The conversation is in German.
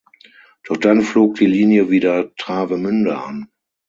Doch dann flog die Linie wieder Travemünde an.